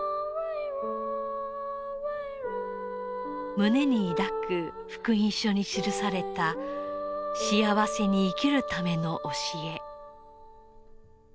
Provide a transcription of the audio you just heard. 胸に抱く福音書に記された幸せに生きるための教え。